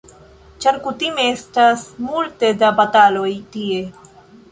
Ĉar kutime estas multe da bataloj tie.